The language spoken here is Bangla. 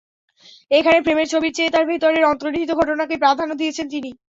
এখানে ফ্রেমের ছবির চেয়ে তার ভেতরের অন্তর্নিহিত ঘটনাকেই প্রাধান্য দিয়েছেন তিনি।